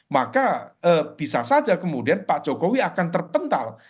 maka bisa saja kemudian pak jokowi akan terpental